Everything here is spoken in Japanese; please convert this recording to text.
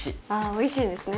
おいしいんですね。